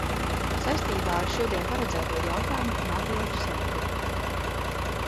Saistībā ar šodien paredzēto jautājumu un atbilžu sēdi.